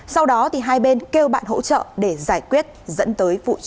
sau đó hai bên kêu bạn hỗ trợ để giải quyết dẫn tới vụ truy sát